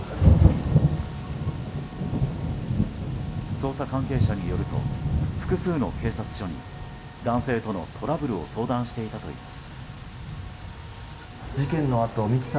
捜査関係者によると複数の警察署に男性とのトラブルを相談していたといいます。